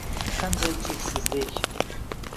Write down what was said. Qanday cheksizlik…